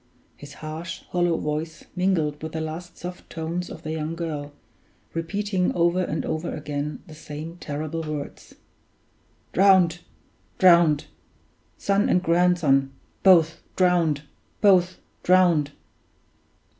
His harsh, hollow voice mingled with the last soft tones of the young girl, repeating over and over again the same terrible words, "Drowned! drowned! Son and grandson, both drowned! both drowned!"